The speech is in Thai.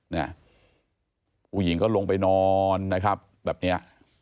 เนี่ยผู้หญิงก็ลงไปนอนนะครับแบบเนี้ย